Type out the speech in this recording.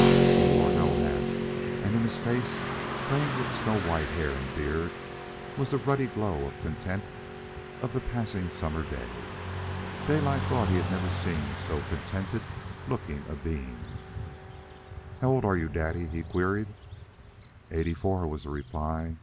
He wore no hat, and in his face, framed with snow white hair and beard, was the ruddy glow and content of the passing summer day. Daylight thought that he had never seen so contented looking a being. "How old are you, daddy?" he queried. "Eighty four," was the reply.